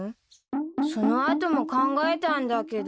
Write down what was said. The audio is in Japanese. その後も考えたんだけど。